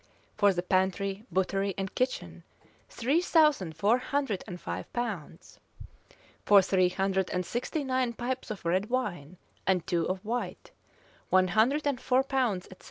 For the pantry, buttery, and kitchen, three thousand four hundred and five pounds. For three hundred and sixty nine pipes of red wine, and two of white, one hundred and four pounds, etc.